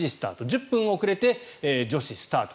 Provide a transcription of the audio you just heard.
１０分遅れて女子スタート。